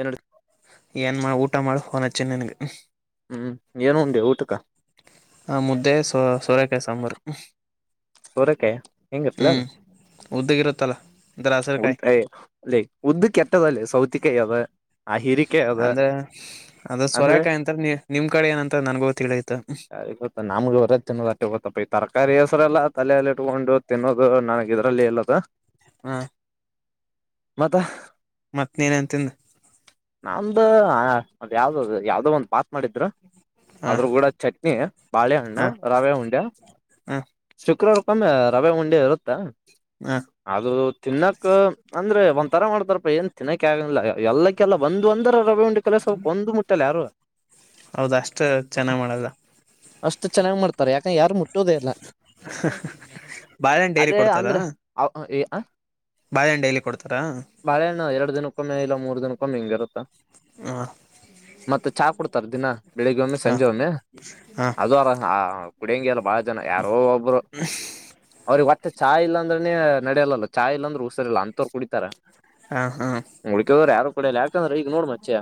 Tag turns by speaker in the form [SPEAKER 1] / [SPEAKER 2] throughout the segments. [SPEAKER 1] ಏನ್
[SPEAKER 2] ಏನ್ ಮಾ ಊಟ್ ಊಟ ಮಾಡಿ ಫೋನ್ ಹಚ್ಚಿನ್ ನಿನಗ್.
[SPEAKER 1] ಹ್ಮು ಏನೋ ಆವಂದ್ ಊಟುಕ್.
[SPEAKER 2] ಆ ಮುದ್ದೆ ಸೋ ಸೋರೆಕಾಯಿ ಸಾಂಬಾರು.
[SPEAKER 1] ಸೋರೆಕಾಯ್ ಹೆಂಗಿರತ್ಲೆ ಅದ್
[SPEAKER 2] ಹ್ಮ್ ಉದ್ದಗಿರುತ್ತಲ್ಲ ಅಂದ್ರ
[SPEAKER 1] ಏ
[SPEAKER 2] ಹಸರಕಾಯಿ
[SPEAKER 1] ಉದ್ದ ಲೇ ಉದ್ದಕ್ ಇರ್ತದಲೇ ಸೌತಿಕಾಯಿ ಅದ ಆ ಹೀರಿಕಾಯಿ ಅದ
[SPEAKER 2] ಅಂದ್ರೆ ಅದ
[SPEAKER 1] ಅಂದ್ರೆ
[SPEAKER 2] ಸೋರೆಕಾಯಿ ಅಂತಾರ ನೀ ನಿಮ್ ಕಡೆ ಏನಂತ ನನ್ಗೂ ತಿಳಿಯತ
[SPEAKER 1] ಯರಿಗ್ ಗೊತ್ತ ನಮ್ಗ್ ಅದೆ ತಿನ್ನದಟ್ಟೆ ಗೊತ್ತಪ್ಪಿ ತರಕಾರಿ ಹೆಸ್ರ್ ಎಲ್ಲ [unintelligible] ಇಟ್ಕೊಂಡು ತಿನ್ನೋದು ನನಗ್ ಇದ್ರಲ್ಲೇ ಇಲ್ಲದ.
[SPEAKER 2] ಹ್ಮ್
[SPEAKER 1] ಮತ್ತ
[SPEAKER 2] ಮತ್ತೇನೇನ್ ತಿಂದಿ.
[SPEAKER 1] ನಮ್ದೂ ಆ ಅದ್ ಯಾವ್ದ್ ಅದು ಯಾವ್ದೋ ಒಂದ್ ಬಾತ್ ಮಾಡಿದ್ರ.
[SPEAKER 2] ಹ
[SPEAKER 1] ಅದುರ್ ಗುಡ ಚಟ್ನಿ,
[SPEAKER 2] ಹ
[SPEAKER 1] ಬಾಳೆಹಣ್ಣು, ರವೆ ಉಂಡೆ.
[SPEAKER 2] ಹ
[SPEAKER 1] ಶುಕ್ರವಾರಕ್ಕೊಮ್ಮೆ ರವೆ ಉಂಡೆ ಇರುತ್ತಾ.
[SPEAKER 2] ಹ
[SPEAKER 1] ಅದು ತಿನ್ನಕ ಅಂದ್ರೆ ಒಂತರ ಮಾಡ್ತಾರಪ್ಪ ಏನ್ ತಿನ್ನಕ್ಕೆ ಆಗಂಗಿಲ್ಲಾ ಯ ಯಲ್ಲಕ್ಕೆಲ್ಲ ಬಂದು ಅಂದ [unintelligible] ಯಾರು.
[SPEAKER 2] ಹೌದ ಅಷ್ಟ ಚೆನ್ನಾಗ್ ಮಾಡಲ್ಲ
[SPEAKER 1] ಅಷ್ಟು ಚೆನ್ನಾಗಿ ಮಾಡ್ತರೆ ಯಾಕ ಯಾರು ಮುಟ್ಟೋದೇ ಇಲ್ಲ.
[SPEAKER 2] ಬಾಳೆಹಣ್ಣ್ ಡೇಲಿ ಕೊಡ್ತಾರಾ.
[SPEAKER 1] ಅ
[SPEAKER 2] ಬಾಳೆಹಣ್ಣ್ ಡೇಲಿ ಕೊಡ್ತಾರಾ.
[SPEAKER 1] [unintelligible] ದಿನಕ್ಕೊಮ್ಮೆ ಇಲ್ಲ ಮೂರ್ ದಿನಕ್ಕೊಮ್ಮೆ ಹಿಂಗರುತ್ತ.
[SPEAKER 2] ಅ
[SPEAKER 1] ಮತ್ತೆ ಚಾ ಕುಡ್ತಾರ ದಿನ. ಬೆಳಿಗ್ಗೆ ಒಮ್ಮೆ
[SPEAKER 2] ಹ
[SPEAKER 1] ಸಂಜೆ ಒಮ್ಮೆ
[SPEAKER 2] ಹ
[SPEAKER 1] ಅದು ಅರ ಕುಡಗೆಲ್ಲ ಬ [unintelligible] ಜನ ಯಾರೋ ಒಬ್ರು
[SPEAKER 2] ಹ್ಮ್ [unintelligible]
[SPEAKER 1] ವತಟ್ಟ್ ಚಾ ಇಲ್ಲಾಂದ್ರನೇ ನಡೆಯಲ್ಲಲಾ ಚಾ ಇಲ್ಲ ಅಂದ್ರ ಉಸರಿ ಇಲ್ಲ ಅಂತವ್ರು ಕುಡಿತಾರ.
[SPEAKER 2] ಹ ಹ
[SPEAKER 1] ಉಲಕಿದಾವ್ರ ಯಾರು ಕಡಿಯಲ್ಲ ಯಾಕಂದ್ರೆ ಈಗ ನೋಡ್ ಮಚ್ಚಿ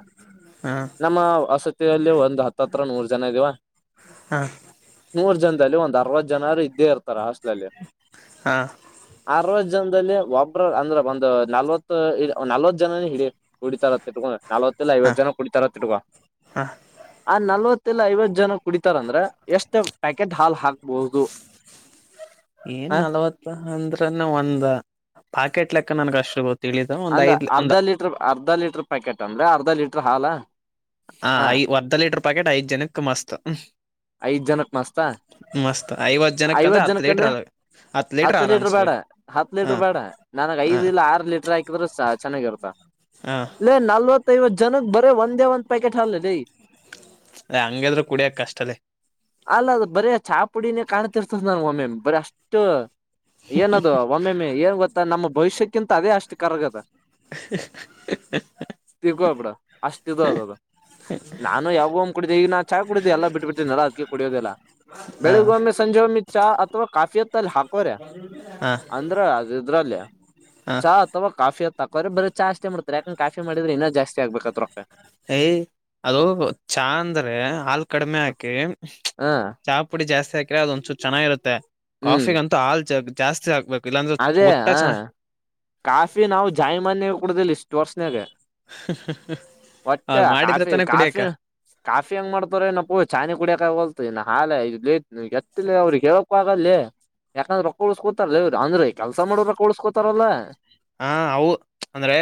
[SPEAKER 2] ಹ
[SPEAKER 1] ನಮ್ಮ ವಸತಿಯಲ್ಲಿ ಒಂದ್ ಹತ್ತತ್ರ ನೂರ್ ಜನ ಇದಿವ
[SPEAKER 2] ಹ
[SPEAKER 1] ನೂರ್ ಜನ ಎಲ್ಲೋ ಒಂದ್ ಅರವತ್ತು ಜನಾರೇ ಇದ್ದೇ [unintelligible] [unintelligible]
[SPEAKER 2] ಹ
[SPEAKER 1] ಒಬ್ಬ್ರ ಅಂದ್ರ ಒಂದ್ ನಾಲ್ವತ್ ಈಗ್ ಒಂದ್ ನಾಲ್ವತ್ ಜನಾನ ಹಿಡಿ ಕುಡಿತಾರ ಅತ್ ಇಟ್ಕೋ ನಲ್ವತ್ತಲ್ಲ
[SPEAKER 2] ಹ
[SPEAKER 1] ಐವತ್ತು ಜನ ಕುಡಿತಾರ ತಿಡ್ಗ
[SPEAKER 2] ಹ
[SPEAKER 1] ಆ ನಲ್ವತ್ ಮಲ್ಲ ಐವತ್ತು ಜನ ಕುಡಿತಾರ ಅಂದ್ರೆ ಎಷ್ಟ ಪ್ಯಾಕೆಟ್ ಹಾಲ್ ಹಾಕ ಬೋದು [unintelligible]
[SPEAKER 2] ಏನ್ ನಲ್ವತ್ತ ಅಂದ್ರನ ಒಂದ ಪಾಕೆಟ್ ಲೆಕ್ಕ ನನ್ಗ್ ಅಷ್ಟು ಗೊತ್ತು
[SPEAKER 1] ಅಂದ್ರ ಅರ್ಧ ಲೀಟರ್ ಅರ್ಧ ಲೀಟರ್ ಪ್ಯಾಕೆಟ್ ಅಂದ್ರೆ ಅರ್ಧ ಅರ್ಧ ಲೀಟರ್ ಹಾಲ
[SPEAKER 2] ಹಾ
[SPEAKER 1] ಹ
[SPEAKER 2] ಐ ಅರ್ಧ ಲೀಟರ್ ಪ್ಯಾಕೆಟ್ ಐದು ಜನಕ್ ಮಸ್ತ್
[SPEAKER 1] ಐದ ಜನಕ್ ಮಸ್ತ
[SPEAKER 2] ಮಸ್ತ್ ಐವತ್
[SPEAKER 1] ಐವತ್
[SPEAKER 2] ಹತ್ತು
[SPEAKER 1] ಜನಕ್
[SPEAKER 2] ಲೀಟರ್
[SPEAKER 1] ಅಂದ್ರೆ
[SPEAKER 2] ಅ
[SPEAKER 1] ಹತ್ ಲೀಟರ್ ಬೇಡ ಹತ್
[SPEAKER 2] ಹ
[SPEAKER 1] ಲೀಟರ್ ಬೇಡ ನನಗೆ
[SPEAKER 2] ಹ
[SPEAKER 1] ಐದ್ ಇಲ್ಲ ಆರು ಲೀಟ್ರ ಹಾಕಿದ್ರ ಚೆನ್ನಾಗಿರ್ತ
[SPEAKER 2] ಹ
[SPEAKER 1] ಲೆ ನಲ್ವತ್ ಐವತ್ತು ಜನಕ್ ಬರೇ ಒಂದೇ ಒಂದ್ ಪ್ಯಾಕೆಟ್ ಹಾಲ ರೈ
[SPEAKER 2] ಅದ ಹಂಗಾದ್ರರು ಕುಡಿಯಕ್ ಕಷ್ಟ ಅದೇ
[SPEAKER 1] ಅಲ್ಲ ಅದ ಬರ ಚಾ ಪುಡಿನೇ ಕಾಣ್ತಿರ್ತದ ನಾ ಒಮ್ಮೆ ಬರಿ ಅಷ್ಟ ಏನದು ಒಮ್ಮೆಮ್ಮೆ ಏ ಗತ್ತ ನಮ್ಮ ಭವಿಷ್ಯಕ್ಕಿಂತ ಅದೇ ಅಷ್ಟು ಕರಗದ [unintelligible] ತಿರ್ಕೋ ಬಿಡ ಅಷ್ಟ ಅದ ಅದು ನಾನು ಯಾವೋ ಒಂದ್ ಕುಡಿದ್ದ ಈಗ ನಾ ಚಾಯ್ ಕುಡಿದ್ದ ಎಲ್ಲ ಬಿಟ್ಬಿಟ್ಟಿ ನಡದಕ ಕುಡಿಯೋದಿಲ್ಲ
[SPEAKER 2] ಹ
[SPEAKER 1] ಬೆಳಗ್ ಒಮ್ಮೆ ಸಂಜೆ ಒಮ್ಮೆ ಚಾ ಅಥವಾ ಕಾಫಿ ಹತ್ತ ಅಲ್ಲಿ ಹಾಕೋರೆ
[SPEAKER 2] ಹ
[SPEAKER 1] ಅಂದ್ರ ಅ ಇದ್ರಲ್ಲಿ
[SPEAKER 2] ಹ
[SPEAKER 1] ಚಾ ಅಥವಾ ಕಾಫಿ ಹತ್ತ ತಕೋರ ಬ್ರ ಚಾಷ್ಟೇ ಮಾಡತಾರೆ ಯಕಂದ ಕಫಿ ಮಾಡಿದ್ರ ಇನ್ನೂ ಜಾಸ್ತಿ ಆಬೇಕು
[SPEAKER 2] ಏಯ ಅದು ಚಾ ಅಂದ್ರೆ ಹಾಲು ಕಡಿಮೆ ಹಾಕಿ
[SPEAKER 1] ಹ
[SPEAKER 2] ಚಾ ಪುಡಿ ಜಾಸ್ತಿ ಹಾ [unintelligible] ಕೆ ಅದ ಒಂದಸ ಚೆನ್ನಾಗಿರುತ್ತೆ
[SPEAKER 1] ಹ್ಮ್
[SPEAKER 2] ಕಾಫಿಗಂತ ಹಾಲು ಜಗ್ ಜಾಸ್ತಿ ಆಗ್ಬೇಕು
[SPEAKER 1] ಅದೇ ಕಾಫಿ ನಾವು ಜಾಯಮಾನ್ಯ ಕುಡುದಲ್ಲಿ ಇಷ್ಟ ವರ್ಷನಾಗ ಒಟ್ಟೆ
[SPEAKER 2] ಅವ್ರು ಮಾಡಿದ್ರೆ
[SPEAKER 1] ಕಾಫಿ
[SPEAKER 2] ತಾನೇ ಕುಡಿಯಕ
[SPEAKER 1] ಕಾಫಿ ಕಾಫಿ ಹೆಂಗ್ ಮಾಡ್ತಾರ ಏನ ಪೂ ಚಾನ ಕುಡಿಯೋಕ್ ಆಗೋಯ್ತು ಹಾಲೇ ಇದು ಲೇಟ್ ಎತ್ತಿಲ್ಲ ಅವ್ರಿಗೆ ಕ ಹೇಳಕ್ ಆಗಲ್ಲಿ ಯಾಕಂದ್ರೆ ರೊಕ್ಕ ಉಳಸ್ಕೊತಾರಲ ಇ್ರು ಅಂದ್ರೆ ಕೆಲ್ಸ ಮಾಡೋರ ರೊಕ್ಕಾ ಉಳ್ಸ್ಕೊತರಲ್ಲ
[SPEAKER 2] ಹಾ ಅವು ಅಂದ್ರೆ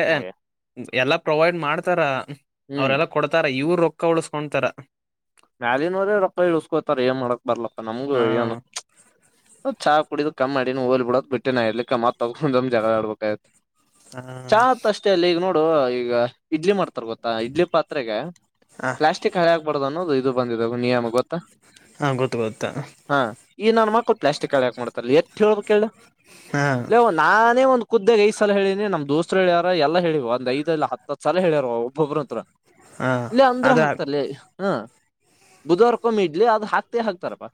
[SPEAKER 2] ಎಲ್ಲಾ ಪ್ರೊವೈಡ್ ಮಾಡ್ತಾರ
[SPEAKER 1] ಹ್ಮ್
[SPEAKER 2] ಅವರೆಲ್ಲ ಕೊಡ್ತಾರೆ ಇವರು ರೊಕ್ಕ ಉಳಸ್ಕೊತಾರ
[SPEAKER 1] ಮ್ಯಾಲಿನವರೆ ರೊಕ್ಕಾ ಇಳಸ್ಕೋತಾರ ಏನ್ ಮಾಡಕ್ ಬರ್ಲಪ್ಪ ನಮ್ಗೂ
[SPEAKER 2] ಹಾ
[SPEAKER 1] ಏನು ಚಾ ಕುಡಿದ ಕಮ್ಮ ಮಾಡೀನಿ ಹೋಲ್ ಬಿಡ ಅತ ಬಿಟ್ಟಿನನ ಇರ್ಲಿ ಮತ್ತ್ ತಗೊಂಡ ಜಗಳ ಆಡಬೇಕ್ತ್
[SPEAKER 2] ಹ
[SPEAKER 1] ಚಾ ಆತ್ ಅಷ್ಟೇ ಲೇ ಈಗ ನೋಡ ಈಗ ಇಡ್ಲಿ ಮಾಡ್ತಾರೆ ಗೊತ್ತಾ ಇಡ್ಲಿ ಪಾತ್ರೆಗೆ
[SPEAKER 2] ಹ
[SPEAKER 1] ಪ್ಲಾಸ್ಟಿಕ್ ಹಳೆ ಆಗ್ಬಾರ್ದದು ಅನ್ನೋದು ಬಂದಿದಿಯಮ ಗೊತ್ತಾ
[SPEAKER 2] ಹಾ ಗೊತ್ತು ಗೊತ್ತ
[SPEAKER 1] ಹಾ ಈ ನಾನ ಮಕ್ಕಳು ಪ್ಲಾಸ್ಟಿಕ್ ಹಾಳಿ ಹಾಕ್ ಮಾಡ್ತ ಎ ಚೋ ಕೇಳ
[SPEAKER 2] ಹಾ
[SPEAKER 1] ಲೇ ನಾನೇ ಒಂದು ಖುದ್ದಾಗ್ ಐದ್ ಸಲ ಹೇಳಿನಿ ನಮ್ ದೋಸ್ರು ಹೇಳ್ಯಾರ ಎಲ್ಲ ಹೇಳಿವವ ಒಂದ್ಐದ ಇಲ್ಲ ಹತ್ತು ಹತ್ತ ಸಲ ಹೇಳ್ಯಾರ ಒಬ್ಬೊಬ್ಬ್ರತ್ರ
[SPEAKER 2] ಹಾ
[SPEAKER 1] ಲೇ ಅಂದ್ರು
[SPEAKER 2] ಅದ
[SPEAKER 1] ಹಾಕ್ತಾರ್ ಲೇ ಹಾ ಬುಧವರ್ಕೊಮ್ಮ್ ಇಡ್ಲಿ ಅದು ಹಾಕ್ತಿ ಹಾಕ್ತಾರಪ್ಪಾ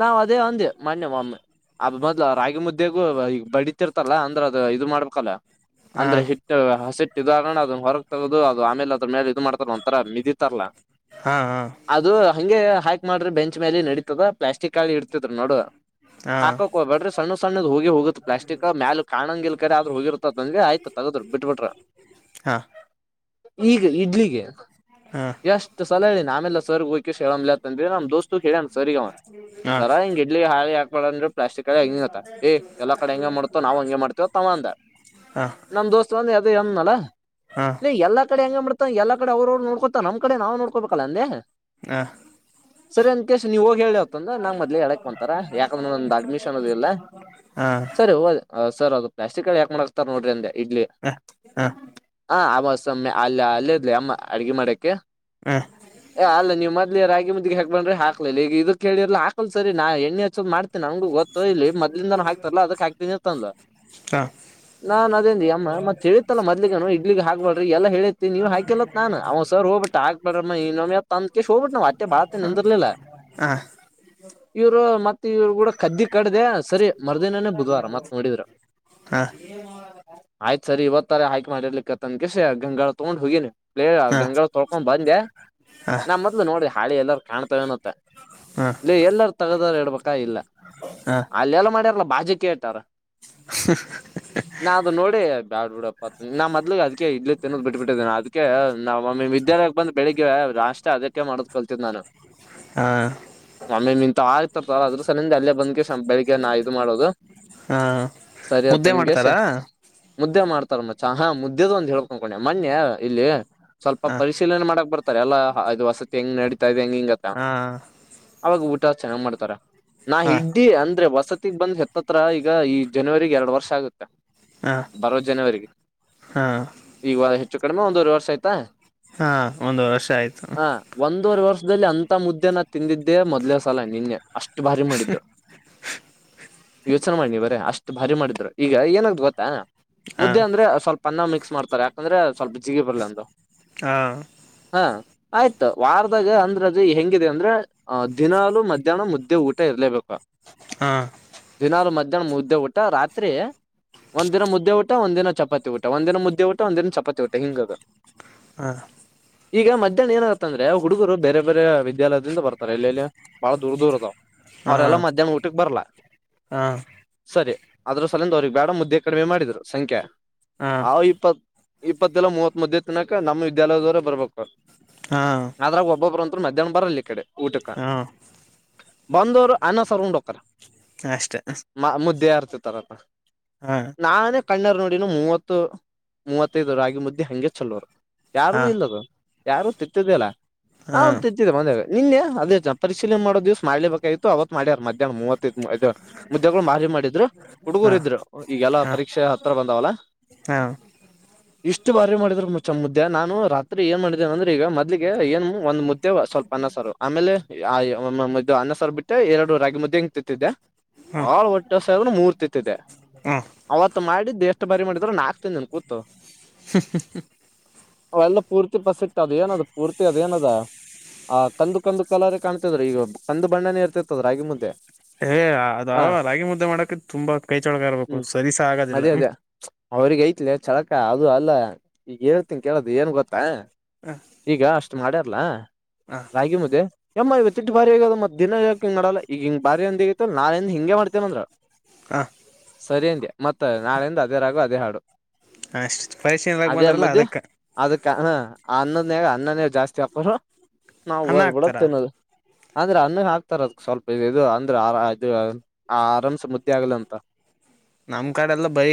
[SPEAKER 1] ನಾವ್ ಅದೇ ಅಂದೇ ಮಾನ್ಯ ಮಾೊಮ್ಮೆ ಅದರ ಬದಲು ರಾಗಿ ಮುದ್ದೆ ಈ ಬಡತಿರ್ತಲ್ಲ ಅಂದ್ರೆ ಅದು ಇದು ಮಾಡ್ಬೇಕಲ್ಲ
[SPEAKER 2] ಹಾ
[SPEAKER 1] ಅಂದ್ರೆ ಹಿಟ್ಟು ಹಸಿಟ್ಟ ಇದಗಣ ಅದನ್ ಹೊರಗೆ ತಗೋದು ಅದು ಆಮೇಲ ಅದ್ರ ಮೇಲೆ ಇ ಮಾಡತಾರ ಒಂಥರ ಮಿದಿಿತತಾರಾ
[SPEAKER 2] ಹಾ ಹಾ
[SPEAKER 1] ಅದು ಹಂಗೆ ಹಾಕ್ ಮಾಡ್ರಿ ಬೆಂಚ್ ಮೇಲೆ ನಡೀತದ ಪ್ಲಾಸ್ಟಿಕ್ ಹಾಳಿ ಇಡ್ತಿದ್ರ ನೋಡು
[SPEAKER 2] ಹಾ
[SPEAKER 1] ಹಾಕಕ್ ಹೋಗ್ಬೇಡ್ರಿ ಸಣ್ಣ ಸಣ್ಣದ ಹೋಗಿ ಹೋಗುತ್ತ ಪ್ಲಾಸ್ಟಿಕ್ ಮ್ಯಾಲ ಕಾಣಂಗಿಲ್ಲ ಹೋಗ ನಂದ್ವಿ ಆಯ್ತು ತಗದ್ ಬಿಟ್ಬಿಟ್ರ
[SPEAKER 2] ಹಾ
[SPEAKER 1] ಈಗ ಇಡ್ಲಿಗೆ
[SPEAKER 2] ಹಾ ಹಾ
[SPEAKER 1] ಎಷ್ಟು ಸಲ ಹೇಳಿ ಆಮೆಲ್ಲ ಹೋಗಕೆ ಹೇಳ್ ಅ ನಮ್ಮ ದೋಸ್ ಹೇಳಣ ಸರಿವ ಸರಾಗೆಡ್ಲಿ ಹಾ ಒಳಂದ್ರ ಪ್ಲಾಸ್ಟಿಕ್ ಕಡೆ ಹೆಂಗತ್ತ ಏ ಎಲ್ಲ ಕಡೆ ಹೆಂಗ ಮಾಡ್ತೋ ನಾವ್ ಹಂಗೆ ಮಾಡ್ತೇವ ತಂದ
[SPEAKER 2] ಹಾ ಹಾ
[SPEAKER 1] ನಮ್ ದೋಸ್ತ್ ಒಂದ ಹ ಅಲ್ಲ
[SPEAKER 2] ಹಾ
[SPEAKER 1] ನೀ ಎಲ್ಲ ಕಡೆ ಹೆಂಗ ಮಾಡ್ಡತಾ ಎಲ್ಲ ಕಡೆ ಅವ್ರ್ರು ನೋಡ್ಕೋತ ನಮ್ಮ ಕಡೆ ನಾವವು ನೋಡ್ಕೋ ಕಬೇಕ ಕಲ್ಲ ಅ
[SPEAKER 2] ಹಾ ಹಾ
[SPEAKER 1] ಸರಿ ಅಂದ ಕೇಶ ನೀವ ಹೋಗಿ ಹೇಳಿವ ಅಂದ್ರ ನಂಗ್ ಮೊದ್ಲೇ ಹೇಳಕ್ ಬಂತಾರ ಯಾಕಂದ್ರೆ ಒಂದು ಅಡ್ಮಿಶನ್ ಅದು ಇಲ್ಲ
[SPEAKER 2] ಹಾ ಹಾ
[SPEAKER 1] ಸರಿ ಹ ಸರ್ ಅ ಪ್ಲಾಟಿಕ್ ಹ ಯಾಕ್ಾಕ್ತ ನೋಡಿರಿ ಅೆ ಇಡ್ಲಿ
[SPEAKER 2] ಹಾ ಹಾ
[SPEAKER 1] ಹ ಆವಸ್ ಮ್ಮೆ ಅಲ್ಲಿ ಅಲ್ಲೇ ಇಲಿ ಅಮ್ಮ ಅಡ್ಗೆ ಮಾಡಕ್ಕೆ
[SPEAKER 2] ಹ
[SPEAKER 1] ಅಲ್ಲ ನೀವು ಮದ್ಲಿ ರಾಗಿ ಮು್ದ ಹಾಕ್ ಬ್ರ ಹಾಕ್ಲಿಲ್ಲ ಈಗ ಇದದು ಕೇಳಿರ್ಲ್ಲ ಹಾಕ್ಲ್ ಸರಿ ನಾ ಎ್ಣೆಚ್ಚೋ ಮಾಡ್ತ ನಂಗು ಗೊತ್ತ ಇಲ್ಲಿ ಮೊ್ಲಿಂದಾನ ಹಾಕ್ತಾರಲ್ಲಾ ಅದಕ್ ಹಾಕ್ತನಿ ಇರ್ತಂದ
[SPEAKER 2] ಹಾ ಹಾ ಹಾ
[SPEAKER 1] ನಾನ್ ಅದೇಂದಿ ಅಮ್ಮ ಮತ್ತತ್ ತಿಳತ್ತಲ್ಲ ಮೊದ್ಲಿಗನು ಹಾಗ್ಬ್ರಿ ಎಲ್ಲ ಹೇಳ ನೀವ ಹಾಕಲ್ಲತ್ ನಾನ್ ಅವ್ ಸರ್ ಹೋಗಬಟ್ಟ ಆ ಬರ ಮಹಿನ ಮ ತಮ ಕೆ ಶೋರ್ಟ್ಟ ಮತ್ತೆ ಭಾಗತ ನಿಂತಿರಲಿಲ್ಲ ಇವ್ರು ಮತ್ತೆ ಇವ್ರು ಕೂಡ ಕದ್ದಿ ಕಡ್ದ ಸರಿ ಮರುದಿನನ
[SPEAKER 2] ಹಾ
[SPEAKER 1] ಆಯ್ತ್ ಸರಿ ಇವತ್ತರ ಆಯ್ಕ್ ಮಾಡಿರ್ಲಿಕ್ಕತ್ತ ಅನ್ ಕಸ ಗಂಗಾ ತಗೊಂಡ್ ಹೋಗಿನಿ ಗಂಗಳ ತೊಳ್ಕೊಂಡ್ ಬಂದೆ
[SPEAKER 2] ಹಾ ಹಾ
[SPEAKER 1] ನಾ ಮೊದ್ಲು ನೋಡಿ ಹಾಳಿ ಎಲ್ಲಾರ ಕಾಣ್ತವನತ್ತ ನೀ ಎಲ್ಲಾರ ತಗದಾರ ಇಡ್ಬೇಕ ಇಲ್ಲ
[SPEAKER 2] ಹಾ
[SPEAKER 1] ಅಲ್ಲೆಲ್ಲ ಮಾಡ್ಯಾರಲ್ಲ ಬಾಜಿ ಕೇಳ್ತಾರ ನಾ ಅದು ನೋಡಿ ಬ್ಯಾಡ್ಬುಡಪ್ಪ ಮ ನಾ ಮದ್ಲಗ್ ಅದಕ ಇಲ್ಲಿೇ ತಿನ್ನೋದ್ ಬಿಟ್ಟಟ್ಬಿಟ್ಟಿದ್ದೇನೆ ಅದಕ್ಕೆ ನ ನಿಮ್ಮ ವಿದ್ಯಾಲಯಕ್ಕೆ ಬಂದ ಬೆಳಿಗ್ಗೆ ಅಷ್ಟೇ ಅದಕ್ಕೆ ಮಾಡೋದ್ ಕಲ್ತಿದ್ದ್ ನಾನು
[SPEAKER 2] ಹ
[SPEAKER 1] ಮಮ್ಮಿ ಮಂತ ಆರ್ತತಲ್ಲ ಅದ್ರ ಸಲಯಿಂದ ಅಲ್ಲೇ ಬಂದ್ ಬೆಳಗ್ಗೆಾ ಇದು ಮಾಡೋದು
[SPEAKER 2] ಹಾ
[SPEAKER 1] ಸರಿ
[SPEAKER 2] ಮುದ್ದೆ
[SPEAKER 1] ಅತ್ತನ್ಕೇಶ್
[SPEAKER 2] ಮಾಡ್ತಾರಾ
[SPEAKER 1] ಮುದ್ದೆ ಮಾಡ್ತಾರ ಮಚ್ಚ ಹಾ ಮುದ್ದೆದು ಅಂತ ಹೇಳ್ಕೊಂಡಕೊಂಡೆ ಮಣೆ ಇಲ್ಲಿ ಸ್ವಲ್ಪ
[SPEAKER 2] ಹಾ
[SPEAKER 1] ಪರಿಶೀಲನೆ ಮಾಡಕ್ ಬರ್ತಾರೆ ಎಲ್ಲಾ ಹ ಇದು ವಸ ಬೆಂಗಡಿ ಗಿಂಗಾಗ
[SPEAKER 2] ಹಾ
[SPEAKER 1] ಚೆನ್ನಾಗ ಮಾಡ್ತಾರ ನಾ
[SPEAKER 2] ಹಾ
[SPEAKER 1] ಇಡ್್ದೀ ಅಂದ್ರೆ ವಸತಿ ಗ್ ಬಂದ್ ಎತ್ತತ್ರ ಈಗ ಈ ಜನವರಿ ಎರಡ್ ವರ್ಷ ಆಗುತ್ತೆ
[SPEAKER 2] ಹಾ
[SPEAKER 1] ಬರುವೋ ಜನವರಿಗೆ
[SPEAKER 2] ಹಾ
[SPEAKER 1] ಈಗ [unintelligible] ಚಚ್ಚು ಕಡಿಮೆ ಒಂದು ವರ್ಷ ಆಯ್ತಾ
[SPEAKER 2] ಹಾ ಒಂದು ವರ್ಷ ಆಯ್ತು
[SPEAKER 1] ಹ ಒಂದು ಒಂದೂವರೆ ವರ್ಷದಲ್ಲಿ ಅಂತ ಮುದ್ದೆನ ತಿಂದಿದ್ದೆ ಮೊದುಲ್ನೆ ಸಲ ನೇನೆ ಅಷ್ಟು ಭಾರಿ ಮಾಡಿದರು ಯೋಚನೆ ಮಾಡ ನೀವರ ಅಷ್ಟು ಭಾರಿ ಮಾಡಿದ್ರು ಈಗ ಏನಾಗು ಗೊತ್ತಾ
[SPEAKER 2] ಹಾ
[SPEAKER 1] ಮುದ್ದೆ ಅಂದ್ರೆ ಸ್ವಲ್ಪ ಅನ್ನ ಮಿಕ್ಸ್ ಮಾಡ್ತಾರೆ ಯಾಕಂದ್ರೆ ಸ್ವಲ್ಪ ಚಿಗೆ ಬಾಲಂತ [unintelligible]
[SPEAKER 2] ಹಾ
[SPEAKER 1] ಹಾ ಆಯ್ತ ವಾರದಾಗ ಅಂದ್ರದು ಹೆಂಗಿದೆ ಅಂದ್ರೆ ಅ ದಿನಲು ಮಧ್ಯಾಹ್ನ ಮುದ್ದೆ ಊಟ ಇರ್ಲೇಬೇಕು [unintelligible]
[SPEAKER 2] ಹಾ
[SPEAKER 1] ದಿನಾರ ಮಜೆ [unintelligible] ಮುದ್ದೆ ಊಟ ರಾತ್ರಿ ಒಂದ ದಿನ ಮುದ್ದೆ ಊಟ ಒಂದ ದಿನ ಚಪಾತಿ ಊಟ ಒಂದಿನ ಮುದ್ದೆ ಊಟ ಒಂದಿನ ಚಪಾತಿ ಊಟ ಹಿಂಗದ
[SPEAKER 2] ಹ [unintelligible]
[SPEAKER 1] ಈಗ ಮಧ್ಯ [unintelligible] ಏನತ್ತ ಅಂದ್ರೆ ಹುಡುಗರು ಬರೆ ಬೇರೆ ವಿದ್ಯಾಲಯದಿಂದ ಬತಾರೆ [unintelligible] ರ ಎಲ್ಲಲ್ಲಿ ಬಹಳ ದೂರ ದೂರ ಅದಾವ
[SPEAKER 2] ಹಾ
[SPEAKER 1] ಅವ್ರೆಲ್ಲ
[SPEAKER 2] ಹಾ
[SPEAKER 1] ಮಧ್ಯಾಹ್ನ ಊಟಕ್ ಬರಲಾ [unintelligible] ಸರಿ ಅದ್ರ ಸಲಂದ ಅವ್ರಗ್ ಬೇಡ ಮುದ್ದೆ ಕಡಿಮೆ ಮಾಡಿದ್ರು ಸಂಖ್ಯೆ
[SPEAKER 2] ಹಾ
[SPEAKER 1] ಹ ಇಪ್ಪತು ಇಪ್ಪತ್ತಲ್ಲಾ ಮೂವತ್ ಮಧ್ಯದ ತನಕ ನಮ್ಮ ವಿದ್ಯಾಲಯದವರೇ ಬರ್ಬೇಕು
[SPEAKER 2] ಹಾ
[SPEAKER 1] ಆದದ್ರಾಗ ಒಬ್ಬೊಬ್ಬರುಂತ [unintelligible] ಮಧ್ಯಾಹ್ನ ಬರಲ ಈ ಕಡೆ ಊಟಕ
[SPEAKER 2] ಹಾ
[SPEAKER 1] ಬಂದರು ಆನ ಸಾರು ಉಂಡು ಒಕೆರೆ
[SPEAKER 2] ಅಷ್ಟೇ
[SPEAKER 1] ತಾರಪ್ಪ ನಾ ಅ [unintelligible] ಕಣ್ಣರು ನೋಡಿನ ಮೂವತ್ತು ಮೂವತ್ತೈದು ರಾಗಿ ಮುದ್ದಿ ಹಂಗೆ ಚಲೋರು ಯಾರ
[SPEAKER 2] ಹಾ
[SPEAKER 1] ಇಲ್ಲದು ಯಾರು ತತ್ತಿದಿಲ್ಲ ನಾ
[SPEAKER 2] ಹಾ
[SPEAKER 1] ತತ್ತಿದಿಲ್ಲ ಮಂದೇ ನಿನ್ನೆ ಅದೇ ಜನ ಪರಿಶೀಲನೆ ಮಾಡೋ ದಿವಸ ಮಾಡಲಬೇಕಾಗಿತ್ತು ಅವತ್ ಮಾಡ್ಯ ಮಧ್ಯಾಹ್ನ ಮೂವತ್ತು ಮುದ್ದೆಗಳು ಮಾರಿ ಮಾಡಿದ್ರು
[SPEAKER 2] ಹಾ
[SPEAKER 1] ಹುಡುಗರ ಇದ್ರು ಈಗೆಲ್ಲ
[SPEAKER 2] ಹಾ
[SPEAKER 1] ಪರೀಕ್ಷೆ ಹತ್ರ ಬಂದಾವಲ್ಲ
[SPEAKER 2] ಹಾ
[SPEAKER 1] [unintelligible] ಇಷ್ಟು ಬಾರಿ ಮಾಡಿದ್ ಮಾಚ ಮುದೇ ನಾನು ರಾತ್ರಿ ಏನ್ ಮಾಡ [unintelligible] [inaudible] [unintelligible] ಈಗ ಮದ್ಲೀಗೆ ಏನ್ ಒಂದ್ ಮುದ್ದೆ ಸ್ವಲ್ಪ ಅನ್ನಸಾರು ಆಮೇಲೆ ಇದು ಅನ್ನ ಸವರ್ ಬಿಟ್ಟ ಎರಡು ರಾಗಿ ಮುದ್ದೆ ಹಂಗಂತತ್ತಿದ್ದಿದೆ
[SPEAKER 2] ಹಾ
[SPEAKER 1] ಬಾಳ ಹೊಟ್ಟೆ ಹೊಸ ಆದ್ರು ಮೂರ್ ತಿಂತಿದೆ
[SPEAKER 2] ಹಾ
[SPEAKER 1] ಅವತ್ ಮಾಡಿ ದೇಷ್ಟ ಬಾರಿ ಮಾಡಿದ್ರರು ನಾಕ್ು ತಿಿಂದನ್ ಕೂತು ಅವೆಲ್ಲ ಪೂರ್ತಿ ಪಸ ಅದ ಏನದು ಪೂರ್ತಿ ಅದ ಏನದ ಆ ಕಂದು ಕಂದು ಕಲರ್ ಕಾಣತಿದ್ರ ಈಗ ಕಂದು ಬಣ್ಣನೇ ಇರ್ತಿತದ್ರ ರಾಗಿ ಮುಂದೆ
[SPEAKER 2] ಏ ಅದ ರಾಗಿ ಮುದ್ದೆ ಮಾಡಕ ತುಂಬಾ ಕೈ ಚೊಳಗ ಇರ್ಬೇಕು
[SPEAKER 1] ಹ್ಮ್
[SPEAKER 2] ಸರಿಸ ಆಗೋದಿಲ್ಲ
[SPEAKER 1] ಅದೇ
[SPEAKER 2] ಹ
[SPEAKER 1] ಅದೇ
[SPEAKER 2] [unintelligible]
[SPEAKER 1] ಅವ್ರಿಗೆ ಐತ್ ಚಳಕ ಅದು ಅಲ್ಲ ಈಗ ಹೇಳ್ತೀನ್ [unintelligible] ಕೇಳದು ಏನ್ ಗೊತ್ತಾ ಈಗ ಅಷ್ಟ [unintelligible] [unintelligible] ಅಷ್ಟ ಮಾಡ್ಯಾರಲ್ಲಾ
[SPEAKER 2] ಹ
[SPEAKER 1] ರಾಗಿ ಮುದೆ ಎಮ್ಮ ಇವತ್ತು ಇ ಬಾರಿ ಆಗದ ಮ ದಿನ ಯಕಂಗಡಲ್ಲ ಈಗಿಂಗ ಬಾರಿ ಒಂದ ಆಗೈತೆ ನಳೆಿಂದ ಹಿಂಗಗೆ ಮಾಡ್ತೇನ ಅಂದ್ರ
[SPEAKER 2] ಹ
[SPEAKER 1] ಸರಿೇಂತೆಯಾ ಮತ್ತೆಳಿಂದ ಅದೇ ರಾಗು ಅದೇ ಹಾು
[SPEAKER 2] ಅಷ್ಟ ಪರಿಶೀಲನಾಗ
[SPEAKER 1] ಆ
[SPEAKER 2] ಬಂದಾರಲ್ಲ
[SPEAKER 1] ಮದಿ
[SPEAKER 2] ಅದಕ್ಕೆ
[SPEAKER 1] ಅದಕ್ಕೆ ಹ ಆ ಅನ್ನದನ್ಯಾಗ ಅನ್ನನೇ ಜಾಸ್ತಿ ಹಾಕರು ನಾವವು ಬ
[SPEAKER 2] ಅನ್ನ ಹಾಕ್ತಾರ
[SPEAKER 1] ಬಿಡಕ್ತೇನೋದು ಅಂದ್ರೆ ಅನ್ನ ಹಾಕ್ತಾರ ಅದ ಸ್ವಲ್ಪ ಇ ಇದು ಅಂದ್ರೆ ಆರ ಇದು ಆರಾಮ್ಸ ಮುದ್ದ ಆಗ್ಲಂತ
[SPEAKER 2] ನಮ್ ಕಾರ್ಡೆ ಎಲ್ಲ ಬೈ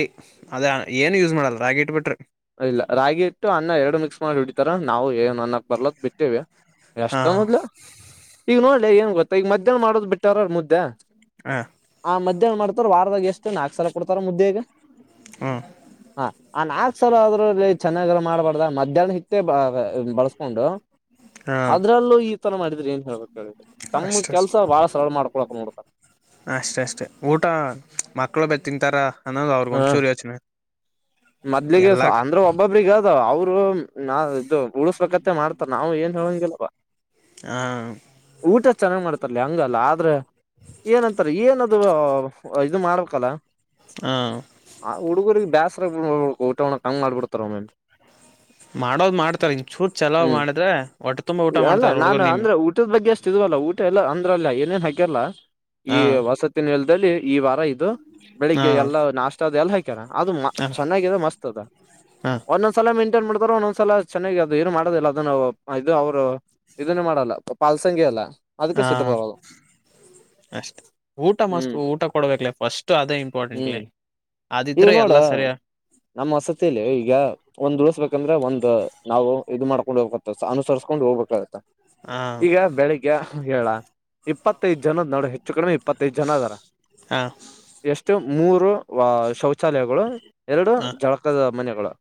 [SPEAKER 2] ಅದೇ ಏನು ಯೂಸ್ ಮಾಡಲ್ಲ ರಾಗಿ ಇಟ್ಬಿಟ್ರಿ
[SPEAKER 1] ಇಲ್ಲ ರಾಗಿ ಇಟ್ಟು ಅನ್ನ ಎರಡು ಮಿಕ್ಸ್ ಮಾಡಿ ಹಡಿತಾರ ನಾವು ಏನ್ ಅನ್ನಕ್ ಬರ್ಲದ ಬಿಟ್ಟೇವಿ
[SPEAKER 2] ಹಾ
[SPEAKER 1] ಎಷ್ಟ ಮೊದ್ಲು ಈಗ ನೋ ಇಲ್ಲ ಏನ್ ಗೊತ್ತಾ ಈ ಮಧ್ಯಾಹ್ನ ಮಾಡೋದು ಬಿಟ್ಟಾರ ಮುದ್ದೆ
[SPEAKER 2] ಹ
[SPEAKER 1] ಮ್ಯಾಹ್ ಮಾಡ್ತಾರ ವಾರದಾಗ ಎಷ್ಟು ನಾಕ ಸಲ ಕೊಡ್ತಾರ ಮುದ್ದೆಗೆ
[SPEAKER 2] ಹಾ
[SPEAKER 1] ಹ ನಾ ಸರ್ ಅದ್ರಲ್ಲಿ ಚೆನ್ನಾಗಲ್ಲ ಮಾಡ್ಬಾರ್ದ ಮಧ್ಯಾಹ್ನ ಹಿಕ್ಕೇ ಬಳಸ್ಕೊಂಡು ಅದರಲ್ಲೂ ಈ ಉರ ಮಾಡಿದ್ರ ಏನ್ ಹು
[SPEAKER 2] ಅಷ್ಟೇ ಅಷ್ಟ
[SPEAKER 1] ಮಾಡ್ಕೊಳಕ್ ನೋಡ್ತಾರ
[SPEAKER 2] ಅಷ್ಟೇ ಅಷ್ಟೇ ಊಟ ಮಕ್ಕಳು ಬೆ ತಿಂತಾರ ಅನ್ನೋದು ಅವ್ರಗ ಒಂಚೂರು ಯೋಚನೆ
[SPEAKER 1] ಇ
[SPEAKER 2] ಎಲ್ಲ
[SPEAKER 1] ಅ್ರ ಒಬ್ಬೊಬ್ರಿಗೆಗ ಅವರು ನಾ ಇದು ಉ ಮಾಡ್ತಾರೆ ನಾವು ಏನ್ ಹೇಳಂಗಿಲ್ಲವಾ
[SPEAKER 2] ಹ
[SPEAKER 1] ಊಟ ಚೆನ್ನಾಗ್ ಮಾಡ್ತರ್ಲೆ ಹಂಗಲ್ಲ ಆದ್ರ ಏನಂತಾರ ಏನದು ಇದು ಮಾಡ್ಬೇಕಲ್ಲ
[SPEAKER 2] ಹ
[SPEAKER 1] ಹ ಹುಡಗುರಗೆ ಗ ಬ್ಯಾಸರ ಹಗ್ ನೋಡಕ್ ಮಾಡಬಿಡಂತಾರ್ ಒಮೋಮೆ
[SPEAKER 2] ಮಾಡೋದ್ ಮಾಡ್ತಾರ ಚೂರ್ ಚಲೋ
[SPEAKER 1] ಹ್ಮ್
[SPEAKER 2] ಮಾಡಿದ್ರೆ ಹೊಟ್ಟ ತುಂಬಾ ಊಟ ಮಾಡ್ತಾರ ಹುಡ್ಗರು ನಿಮ್
[SPEAKER 1] ಇದ್ವಲ್ಲ ಊಟ ಎಲ್ಲಾ ಅಂದ್ರಲ್ಲ ಏನೇನ್ ಹಾಕ್ಯಾರಲ್ಲ ಈ
[SPEAKER 2] ಹಾ
[SPEAKER 1] ವಸತಿನಲ ಈ ವಾರ ದು
[SPEAKER 2] ಹಾ
[SPEAKER 1] ಬೆಳಿಗ್ಗೆ ಎಲ್ಲಾ ನಾಷ್ಟದ್ ಎಲ್ಲ ಹಾಕಿ ಅದು
[SPEAKER 2] ಹ
[SPEAKER 1] ಚೆನ್ನರ್ ಮಸ್ತ್
[SPEAKER 2] ಹ
[SPEAKER 1] ಓದೋದ್ಸಲ ಮೈಂಟೈನ್ ಮಾಡತಾರ ಒಂದೊಂದ್ಸಲ ಚೆನ್ನಾಗ್ಲೇತರ ಅದು ಅವರು ಮಾಡೋದಿಲ್ಲ ಅದನ್ನು ಇದು ಅವ್ರು ಇದನ್ನೇ ಮಾಡಲ್ಲ ಪಾಲ್ಸಂಗಿ ಅಲ್ಲ ಅದಕ್ಕೆ
[SPEAKER 2] ಹಾ
[SPEAKER 1] ಸಿಟ್ಟು ಬರೋದು
[SPEAKER 2] ಅಷ್ಟೇ ಊಟ ಮಸ್ತ್
[SPEAKER 1] ಹ್ಮ್
[SPEAKER 2] ಊಟ ಕೊಡ್ಬೇಕಲೇ ಫಸ್ಟ್ ಅದೇ
[SPEAKER 1] ಹ್ಮ್
[SPEAKER 2] ಇಂಪಾರ್ಟೆಂಟ್ಲಿ
[SPEAKER 1] ಈಗ
[SPEAKER 2] ಅದಿದ್ರೆ
[SPEAKER 1] ನೋಡ
[SPEAKER 2] ಎಲ್ಲಾ ಸರಿಯ
[SPEAKER 1] ನಮ್ಮ್ ವಸತಿಲಿ ಈಗ ಒಂದ್ ಉಳಸಬೇಕಾದ್ರೆ ಒಂದ ನಾವು ಇದನ್ಮಾಡಬೇಕು ಈಗ ಅನಸರಿಕೋದು ಹೋಗ್ಬೇಕಾಗತ್ತಾ
[SPEAKER 2] ಹಾ
[SPEAKER 1] ಈಗ ಬೆಳಿಗ್ಗೆ ಏಳ ಇಪ್ಪತ್ತೈದು ಜನರನೋಡ್ ಹೆಚ್ಚು ಕಡಿಮೆ ಇಪ್ಪತ್ತೈದು ಜನ ಅದಾರಾ
[SPEAKER 2] ಹಾ
[SPEAKER 1] ಎಷ್ಟು ಮೂರು ವಾ ಶೌಚಾಲಯಗಳು ಎರಡು
[SPEAKER 2] ಹ
[SPEAKER 1] ಜಳಕದ ಮನೆಗಳು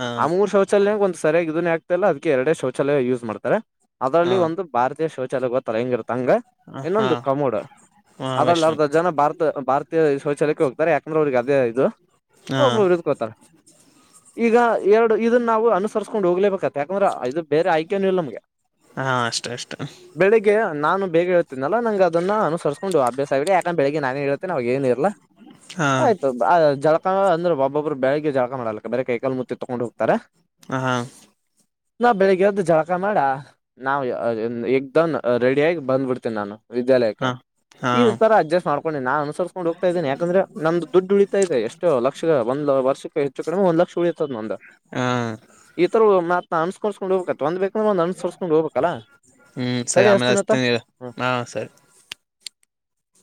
[SPEAKER 2] ಹಾ
[SPEAKER 1] ಆ ಮೂರ ಶೌಚಾಲಯ ಓದ ಸರಿಯಾಗಿ ಇದನ್ನ್ ಆಗ್ತ ಇಲ್ಲ ಅದಕ್ಕೆ ಎರಡ ಶೌಚಾಲಯ ಯೂಸ್ ಮಾಡ್ತಾರೆ ಅದರಲ್ಲಿ ಒಂದ
[SPEAKER 2] ಹಾ
[SPEAKER 1] ಭಾರತ ಶೌಚಾಲಯ ಹೇಗ್ ಇರುತ್ತೆ ಹಂಗ್
[SPEAKER 2] ಹಾ
[SPEAKER 1] ಇನ್ನೊಂದು ಕಮೋಡ
[SPEAKER 2] ಹಾ
[SPEAKER 1] ಅದ್ರಲ್ಲಿ
[SPEAKER 2] ವೈಷ್ಣ
[SPEAKER 1] ಅರ್ಧ ಜನ ಭಾರತ ಭಾರತೀಯ ಶೌಚಾಲಯಕ್ಕೆ ಹೋಗ್ತಾರೆ ಯಾಕಂದ್ರೆ ಅವ್ರಿಗೆ ಅದೇ
[SPEAKER 2] ಹಾ
[SPEAKER 1] ಒಬ್ಬ ಉರ್ಕೋತಾನೆ ಈಗ ಎರಡ ಇದನ್ನ ನಾವು ಅನುಸರಿಸ್ಕೊಂಡು ಹೋಗ್ಲೇಬೇಕಾಗ್ತದೆ ಯಾಕಂದ್ರೆ ಇದು ಬೇರೆ ಆಯ್ಕೆನೇ ಇಲ್ಲ ನಮ್ಗೆ
[SPEAKER 2] ಹಾ ಅಷ್ಟೇ ಅಷ್ಟೇ
[SPEAKER 1] ಬೆಳಿಗ್ಗೆ ನಾನು ಬೇಗ ಹೇಳೇಳ್ತೇನಲ್ಲ ನಂಗ ಅದನ್ನ ಅನುಸರಿಸಸ್ಕೊಂಡ ಅಭ್ಯಾಸ ಆಗಿದೆ ಯಾಕಾದ್ರೆ ಬೆಳಗ್ಗೆ ನಾನೇ ಏಳತೇನಿ ಅವಾಗ ಏನು ಇರ್ಲ
[SPEAKER 2] ಹಾ
[SPEAKER 1] ಆಯತು ಆಯ್ತು ಜಳಕ ಅಂದ್ರೆ ಒಬ್ಬಬ್ರು ಬೆಳಗೆ ಜಳಕಾ ಮಾಡಲಾ ಬೇಗೆ ಕೈ, ಕಾಲ ಮೋಕಾ ತೋಳಕೋಡ್ ಹೋಗ್ತಾರೆ
[SPEAKER 2] ಹಾಂ
[SPEAKER 1] ನಾ ಬೆಳಿಗ್ಗೆ ಎದ್ದ ಜಳಕಾ ಮಾಡಿ ಆ ನಾವು ಎಗ್ದನ್ ರೆಡಿಯಾಗಿ ಬಂದ್ಬಿಡ್ತೀನಿ ನಾನು ವಿದ್ಯಾಲಯಕ್ಕೆ
[SPEAKER 2] ಹಾ ಹಾ
[SPEAKER 1] ಈ ತರಾ ಅಡ್ಜಸ್ಟ್ ಮಾಡಕೋಡು ಅನುಸರಿಸಕೊಂಡ ಹೋಗ್ತಾ ಇದ್ದೇನೆ ಯಾಕಂದ್ರೆ ನದ್ದು ದುಡ್ಡು ಉಳ ದೆ ಎಷ್ಟು ಲಕ್ಷ ಒಂದ್ ವರ್ಷಕ್ಕೆ ಹೆಚ್ಚು ಕಡಿಮೆ ಒಂದ್ ಲಕ್ಷ ಉಳಿಯತದ ನೊಂದು
[SPEAKER 2] ಹಾ
[SPEAKER 1] ಈತರ ಕನ್ಸ್ಕೊ್ಕೊಂಡ ಹಬೇಕ ತೊಂದ್ ಬೇಕು ಅನ್ ಸರ್ಸ್ಕೊಂಡು ಹೋಗ್ಬೇಕಲ್ಲ
[SPEAKER 2] ಹ್ಮ್ ಸರಿ
[SPEAKER 1] ತಡೆ
[SPEAKER 2] ಆಮೇಲೆ
[SPEAKER 1] ಹಸ್ತೀನತ್ತ
[SPEAKER 2] ಹಚ್ತೀನಿ ಇರು
[SPEAKER 1] ಹಾ
[SPEAKER 2] ಸರಿ